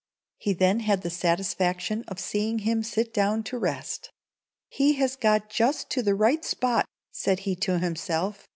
He then had the satisfaction of seeing him sit down to rest. "He has got just to the right spot," said he to himself.